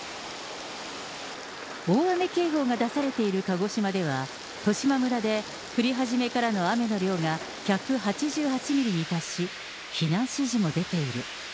大雨警報が出されている鹿児島では、十島村で降り始めからの雨の量が１８８ミリに達し、避難指示も出ている。